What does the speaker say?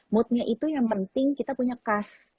moodnya itu yang penting kita punya kas